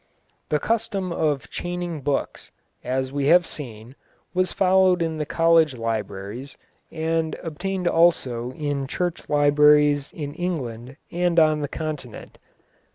The custom of chaining books, as we have seen, was followed in the college libraries, and obtained also in church libraries in England and on the continent.